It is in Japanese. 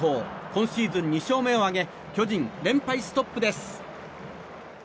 今シーズン２勝目を挙げ巨人、連敗ストップです。